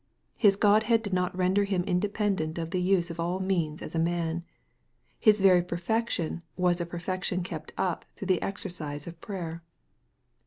His Godhead did not render Him independent of the use of all means as a man. His very perfection was a perfection kept up through the exercise of prayer.